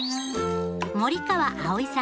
森川葵さん